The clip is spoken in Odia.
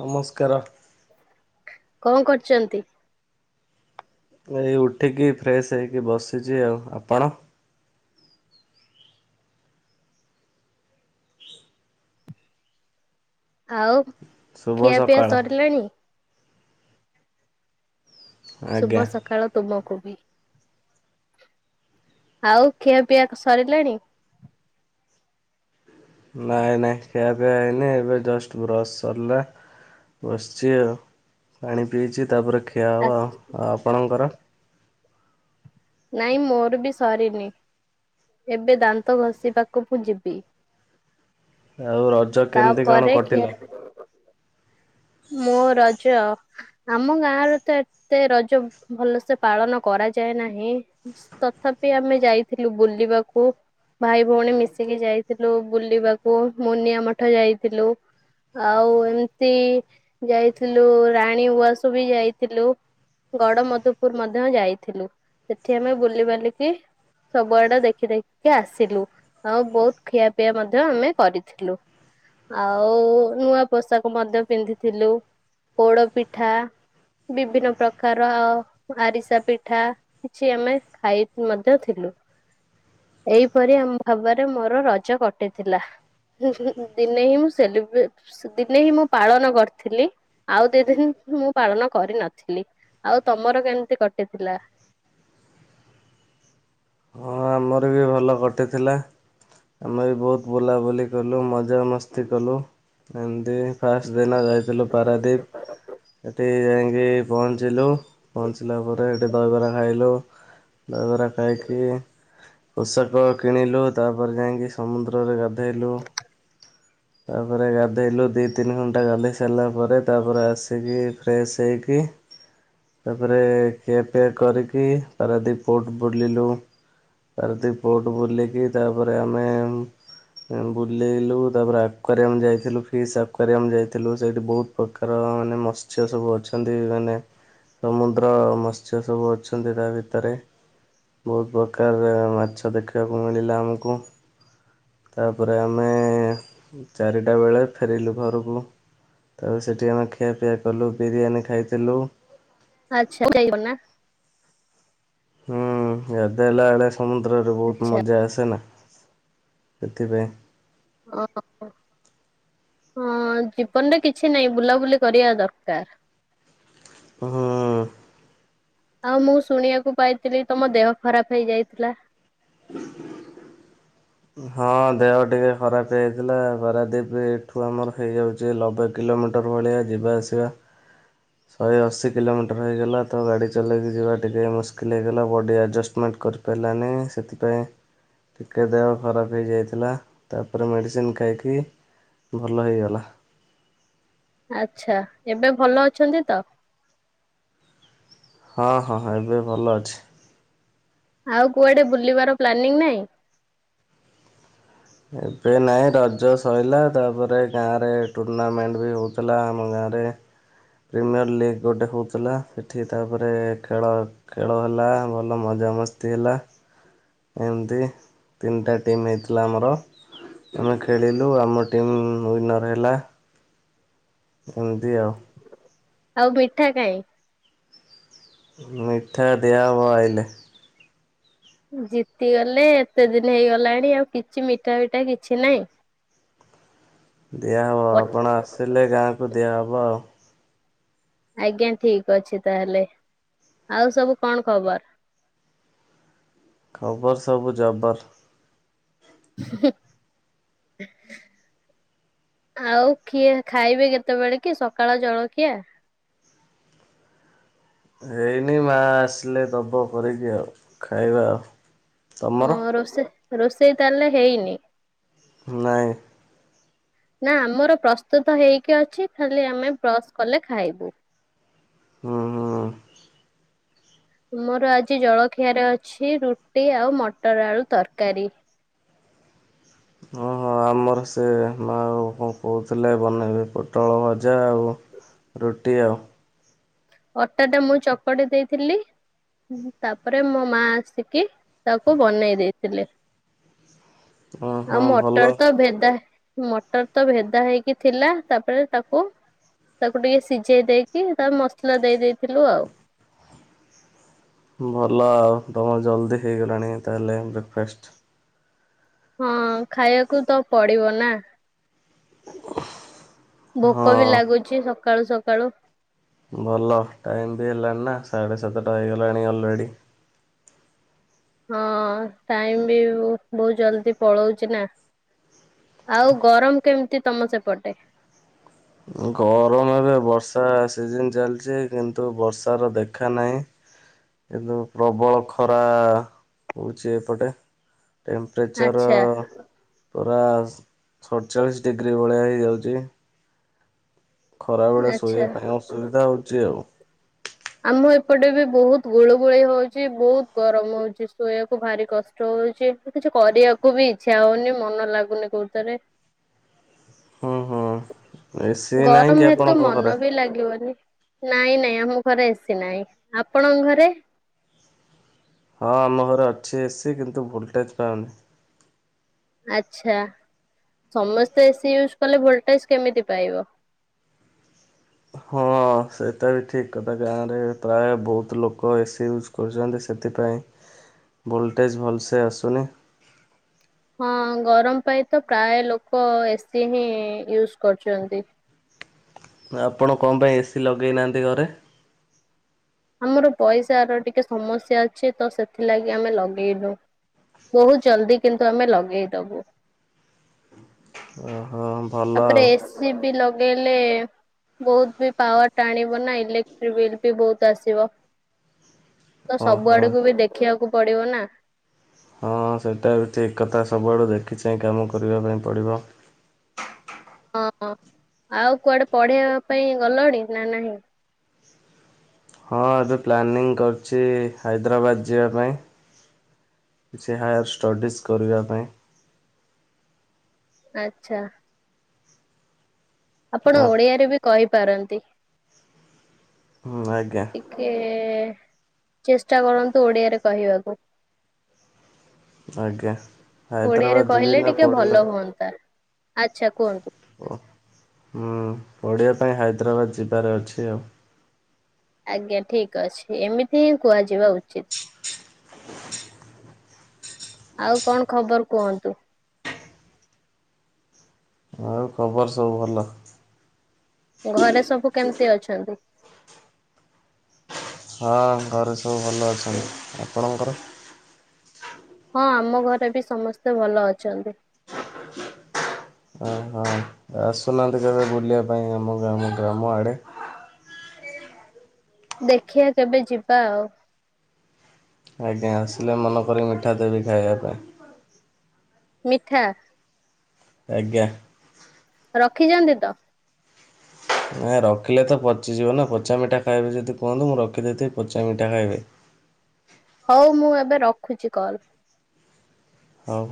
ନମସ୍କାର। କଣ କରୁଚନ୍ତି? ଏଇ ଉଠିକି ଫ୍ରେଶ ହେଇକି ବସିଚି ଆଉ। ଆପଣ? ଆଉ ଶୁଭ ଖିଆପିଆ ସକାଳ ସରିଲାଣି? ଶୁଭ ଆଜ୍ଞା। ସକାଳ। ତୁମକୁ ବି। ଆଉ ଖିଆ ପିଆ ସରିଲାଣି? ନାଇଁ ନାଇଁ ଖିଆ ପିଆ ହେଇନି ଏବେ ଜଷ୍ଟ ବ୍ରସ ସରିଲା। ବସିଛି ଆଉ ପାଣି ପିଇଛି ତାପରେ ଖ୍ଆ ହବ। ଆଉ ଆପଣଙ୍କର? ନାଇଁ ମୋର ବି ସରିନି ଏବେ ଦାନ୍ତ ଘଷିବାକୁ ମୁଁ ଯିବି। ଆଉ ରଜ କେମିତି କଣ ତାପରେ ଖିଆ କଟିଲା? ମୋ ରଜ ଆମ ଗାଁ ରେ ତ ଏତେ ରଜ ଭଲସେ ପାଳନ କରାଯାଏ ନାହିଁ। ତଥାପି ଆମେ ଯାଇଥିଲୁ ବୁଲିବାକୁ। ଭାଇ ଭଉଣୀ ମିଶିକି ଯାଇଥିଲୁ ବୁଲିବାକୁ ମୁଁନିଆଁ ମଠ ଯାଇଥିଲୁ। ଆଉ ଏମିତି ଯାଇଥିଲୁ ରାଣୀ ଉଆସ ବି ଯାଇଥିଲୁ। ଗଡ ମଧୁପୁର ମଧ୍ୟ ଯାଇଥିଲୁ ସେଠି ଆମେ ବୁଲିବାଲିକି ସବୁଆଡେ ଦେଖି ଦେଖିକି ଆସିଲୁ। ହଉ ବହୁତ ଖିଆ ପିଆ ମଧ୍ୟ ଆମେ କରିଥିଲୁ ଆଉ ନୂଆ ପୋଷାକ ମଧ୍ୟ ପିନ୍ଧିଥିଲୁ ପୋଡ ପିଠା ବିଭିନ୍ନ ପ୍ରକାର ଆ ଆରିସା ପିଠା କିଛି ଆମେ ଖାଇ ମଧ୍ୟ ଥିଲୁ। ଏଇପରି ଆମ ଭାବରେ ମୋର ରଜ କଟିଥିଲା। ଦିନେ ହିଁ ମୁଁ ସେଲିବ ଦିନେ ହିଁ ମୁଁ ପାଳନ କରିଥିଲି ଆଉ ଦି ଦିନ ମୁଁ ପାଳନ କରିନଥିଲି ଆଉ ତମର କେମିତି କଟିଥିଲା ହଁ ଆମର ବି ଭଲ କଟିଥିଲା ଆମେ ବି ବହୁତ ବୁଲାବୁଲି କଲୁ ମଜାମସ୍ତି କଲୁ ଏମିତି ଫାଷ୍ଟ ଦିନ ଯାଇଥିଲୁ ପାରାଦ୍ୱୀପ ସେଠି ଯାଇକି ପହଞ୍ଚିଲୁ ପହଞ୍ଚିଲା ପରେ ଏଠି ଦହିବରା ଖାଇଲୁ ଦହିବରା ଖାଇକି ପୋଷାକ କିଣିଲୁ ତାପରେ ଯାଇକି ସମୁଦ୍ରରେ ଗାଧେଇଲୁ ତାପରେ ଗାଧେଇଲୁ ଦୁଇ ତିନି ଘଣ୍ଟା ଗାଧୋଇ ସାରିଲା ପରେ ତାପରେ ଆସିକି ଫ୍ରେଶ ହୋଇକି ତାପରେ ଖୀୟା ପିୟା କରିକି ପାରାଦି ପୋର୍ଟ ବୁଲିଲୁ ପାରତିପ ପୋର୍ଟ ବୁଲିକି ତାପରେ ଆମେ ବୁଲେଇଲୁ ତାପରେ ଏକ୍ୱାରିଅମ୍ ଯାଇଥିଲୁ ଫିଶ୍ ଏକ୍ୱାରିୟମ୍ ଯାଇଥିଲୁ ସେଇଠି ବହୁତ ପ୍ରକାର ମାନେ ମତ୍ସ୍ୟ ସବୁ ଅଛି। ଛନ୍ତି ମାନେ ସମୁଦ୍ର ମତ୍ସ ସବୁ ଅଛନ୍ତି ତା ଭିତରେ ବହୁତ ପ୍ରକାରର ମାଛ ଦେଖିବାକୁ ମିଳିଲା ଆମକୁ ତାପରେ ଆମେ ଚାରିଟା ବେଳେ ଫେରିଲୁ ଘରକୁ ତା ସେଠି ଆମେ ଖିଆପିଆ କଲୁ ବିରିୟାନୀ ଖାଇଥିଲୁ ଆଚ୍ଛା [inaudible] ଯ ନା ହୁଁ ଗାଧେଇଲା ବେଳେ ସମୁଦ୍ରରେ ବହୁତ ଆଚ୍ଛା ମଜା ଆସେ ନା ସେଥିପାଇଁ ଆଁ ହଁ ହଁ ଜୀବନରେ କିଛି ନାହିଁ ବୁଲାବୁଲି କରିବା ଦରକାର ହଁ ଆଉ ମୁଁ ଶୁଣିବାକୁ ପାଇଥିଲି ତମ ଦେହ ଖରାପ ହେଇଯାଇଥିଲା ହଁ ଦେହ ଟିକେ ଖରାପ ହେଇଥିଲା ପାରାଦୀପ ଠୁ ଆମର ହେଇଯାଉଛି ଚି ଲବେ କିଲୋମିଟର ଭଳିଆ ଯିବା ଆସିବା ଶହେ ଅଶୀ କିଲୋମିଟର ହେଇଗଲା ତ ଗାଡ଼ି ଚଲେଇକି ଯିବା ଟିକେ ମୁସ୍କିଲ୍ ହେଇଗଲା ବଡ଼ି ଆଡ଼ଜଷ୍ଟମେଣ୍ଟ କରି ପିଲାନି ସେଥିପାଇଁ ଟିକେ ଦେହ ଖରାପ ହେଇଯାଇଥିଲା ତାପରେ ମେଡ଼ିସିନ ଖାଇକି ଭଲ ହେଇଗଲା। ଆଚ୍ଚ୍ଛା ଏବେ ଭଲ ଅଛନ୍ତି ତ ହଁ ହଁ ହଁ ଏବେ ଭଲ ଅଛି ଆଉ କୁଆଡେ ବୁଲିବାର ପ୍ଲାନିଂ ନାଇଁ ଏବେ ନାହିଁ ରଜ ସରିଲା ତାପରେ ଗାଁରେ ଟୁର୍ଣ୍ଣାମେଣ୍ଟ ବି ହେଉଥିଲା ଆମ ଗାଁରେ ପ୍ରିମିୟର ଲିଗ୍ ଗୋଟେ ହେଉଥିଲା ସେଇଠି ତା ପରେ ଖେଳ ଖେଳ ହେଲା ଭଲ ମଜାମସ୍ତି ହେଲା ଏମିତି ତିନିଟା ଟିମ୍ ହେଇଥିଲା ଆମର ଆମେ ଖେଳିଲୁ ଆମ ଟିମ୍ ୱିନର୍ ହେଲା। ଏମିତି ଆଉ ଆଉ ମିଠା କାଇଁ? ମିଠା ଦିଆ ହବ ଆଇଲେ? ଜିତିଗଲେ ଏତେ ଦିନ ହେଇଗଲାଣି ଆଉ କିଛି ମିଠା ଫିଠା କିଛି ନାହିଁ। ଦିଆ ହବ ଆପଣ ଆସିଲେ ଗାଁକୁ ଦିଆ ହବ ଆଉ ଆଜ୍ଞା ଠିକ ଅଛି ତାହେଲେ ଆଉ ସବୁ କଣ ଖବର? ଖବର ସବୁ ଜବର। ହୁଁ। ଆଉ କିଏ ଖାଇବେ କେତେବେଳେ କି ସକାଳ ଜଳଖିଆ? ହେଇନି ମା ଆସିଲେ ଦବ କରିକି ଆଉ ଖାଇବା ଆଉ ତମର ଓ ରୋଷେଇ ରୋଷେଇ ତାହେଲେ ହେଇନି? ନାଇଁ। ନା ଆମର ପ୍ରସ୍ତୁତ ହେଇକି ଅଛି ଖାଲି ଆମେ ବ୍ରସ୍ କଲେ ଖାଇବୁ? ହୁଁ। ତୁମର ଆଜି ଜଳଖିଆରେ ଅଛି ରୁଟି ଆଉ ମଟର ଆଳୁ ତରକାରୀ। ହଁ। ହଁ, ଆମର ସେ ମାଆ କଣ କହୁଥିଲେ ବନେଇବେ ପୋଟଳ ଭଜା ଆଉ ରୁଟି ଆଉ। ଅଟାଟା ମୁଁ ଚକଟି ଦେଇଥିଲି। ତାପରେ, ମୋ ମା ଆସିକି ତାକୁ ବନେଇ ଦେଇଥିଲେ। ଓ ହଁ ଆଉ ଭଲ ମଟର ତ ଭେଦା ମଟର ତ ଭେଦା ହେଇକି ଥିଲା। ତାପରେ ତାକୁ ତାକୁ ଟିକେ ସିଝେଇ ଦେଇକି, ତା ମସଲା ଦେଇ ଦେଇଥିଲୁ ଆଉ। ଭଲ ଆଉ ତମର ଜଲ୍ଦି ହୋଇଇଗଲାଣି। ତାହେଲେ ବ୍ରେକଫାଷ୍ଟ। ହଁ, ଖାଇବାକୁ ତ ପଡିବ ନା। ଭୋକ ବି ହଁ ଲାଗୁଛି ସକାଳୁ ସକାଳୁ। ଭଲ ଟାଇମ୍ ବି ହେଲାଣି ନା ସାଢ଼େ ସାତଟା ହେଇଗଲାଣି ଅଲରେଡି। ହଁ, ଟାଇମ ବି ବହୁତ ଜଲଦି ପଳଉଛି ନା। ଆଉ ଗରମ କେମିତି ତମ ସେପଟେ? ଗରମ ଏବେ ବର୍ଷା ସିଜନ ଚାଲିଛି। କିନ୍ତୁ, ବର୍ଷାର ଦେଖା ନାହିଁ। କିନ୍ତୁ, ପ୍ରବଳ ଖରା ହଉଛି ଏପଟେ। ଟେମ୍ପରେଚର୍ ଆଚ୍ଛା ପୂରା ଷତଚାଳିଶ ଡିଗ୍ରୀ ଭଳିଆ ହେଇଯାଉଛି। ଖରାବେଳେ ଆଚ୍ଛା। ଶୋଇବା ପାଇଁ ଅସୁବିଧା ହେଉଛି ଆଉ। ଆମ ଏପଟେ ବି ବହୁତ ଗୁଳୁ ଗୁଳି ହଉଛି। ବହୁତ ଗରମ ହଉଛି। ଶୋଇବାକୁ ଭାରି କଷ ଟ ହଉଛି। କିଛି କରିବାକୁ ବି ଇଚ୍ଛା ହଉନି। ମନ ଲାଗୁନି କୋଉଥିରେ? ହୁଁ ହୁଁ। ଏସି ନାହିଁ ଗରମ କି ହେତୁ ଆପଣଙ୍କ ଘରେ? ମନ ବି ଲାଗିବନି। ନାଇଁ, ନାଇଁ ଆମ ଘରେ ଏସି ନାହିଁ। ଆପଣଙ୍କ ଘରେ? ହଁ, ଆମ ଘରେ ଅଛି। ଏ ସି କିନ୍ତୁ ଭୋଲ୍ଟେଜ୍ ପାଉନି। ଆଛା। ସମସ୍ତେ ଏସିି ୟୁଜ କଲେ ଭୋଲଟେଜ କେମିତି ପାଇବ? ହଁ, ସେଇଟା ବି ଠିକ କଥା। ଗାଁ ରେ ପ୍ରାୟ ବହୁତ ଲୋକ ଏସି ୟୁଜ୍ କରୁଛନ୍ତି। ସେଥିପାଇଁ, ଭୋଲ୍ଟେଜ୍ ଭଲସେ ଆସୁନି। ହଁ, ଗରମ ପାଇଁ ତ ପ୍ରାୟ ଲୋକ ଏସିି ହିଁ ୟୁଜ କରୁଛନ୍ତି। ଆପଣ କଣ ପାଇଁ ଏ ସି ଲଗେଇନାହାନ୍ତି ଘରେ? ଆମର ପଇସାର ଟିକେ ସମସ୍ୟା ଅଛି ତ ସେଥିଲାଗି ଆମେ ଲଗେଇନୁ। ବହୁତ ଜଲଦି କିନ୍ତୁ ଆମେ ଲଗେଇଦବୁ। ଓହୋ। ଭଲ ତାପରେ ଆଉ ଏସି ବି ଲଗେଇଲେ। ବହୁତ ବି ପାୱାର ଟାଣିବ ନା। ଇଲେକ୍ଟ୍ରିକ ବିଲ୍ ବି ବହୁତ ଆସିବ। ହ [inaudible] ତ ସବୁ ଆଡକୁ ବି ଦେଖିବାକୁ ପଡିବ ନା। ହଁ, ସେଇଟା ବି ଠିକ୍ କଥା। ସବୁଆଡ଼ୁ ଦେଖି ଚାହିଁ କାମ କରିବା ପାଇଁ ପଡ଼ିବ। ହଁ, ଆଉ କୁଆଡେ ପଢିବା ପାଇଁ ଗଲଣି ନା ନାହିଁ? ହଁ, ଏବେ ପ୍ଲାନିଂ କରୁଛି ହାଇଦ୍ରାବାଦ ଯିବା ପାଇଁ। କିଛି ହାୟାର୍ ଷ୍ଟଡ଼ିଜ କରିବା ପାଇଁ। ଆଛା। ଆପଣ ଆ ଓଡିଆରେ ବି କହିପାରନ୍ତି। ହୁଁ ଆଜ୍ଞା। ଟିକେ ଚେଷ୍ଟା କରନ୍ତୁ ଓଡିଆରେ କହିବାକୁ। ଆଜ୍ଞା। ଓଡିଆରେ ହାଇଦ୍ରାବାଦ ଯିବି କହିଲେ ନା ଟିକେ ପଢ଼ିବା ଭଲ ହୁଅନ୍ତା ଆଚ୍ଛା କୁହନ୍ତୁ। ଓ ହୁଁ ପଢିବା ପାଇଁ ହାଇଦ୍ରାବାଦ ଯିବାର ଅଛି ଆଉ। ଆଜ୍ଞା ଠିକ ଅଛି। ଏମିତି ହିଁ କୁହାଯିବା ଉଚିତ୍। ଆଉ କଣ ଖବର କୁହନ୍ତୁ। ଆଉ ଖବର ସବୁ ଭଲ। ଘରେ ସବୁ କେମିତି ଅଛନ୍ତି? ହଁ ଘରେ ସବୁ ଭଲ ଅଛନ୍ତି ଆପଣଙ୍କର? ହଁ ଆମ ଘରେ ବି ସମସ୍ତେ ଭଲ ଅଛନ୍ତି। [inaudible] ଅ ହ ଆସୁ ନାହାନ୍ତି କେବେ ବୁଲିବା ପାଇଁ ଆମ ଗାମ ଗ୍ରାମ ଆଡ଼େ। ଦେଖିବା କେବେ ଯିବା ଆଉ। ଆଜ୍ଞା ଆସିଲେ ମନେକରି ମିଠା ଦେବି ଖାଇବା ପାଇଁ। ମିଠା। ଆଜ୍ଞା। ରଖିଛନ୍ତି ତ। ନାଇଁ ରଖିଲେ ତ ପଚିଯିବ ନା ପଚା ମିଠା ଖାଇବେ ଯଦି କୁହନ୍ତୁ ମୁଁ ରଖି ଦେଇଥିବି ପଚା ମିଠା ଖାଇବେ। ହଉ ମୁଁ ଏବେ ରଖୁଛି କଲ୍। ହଉ।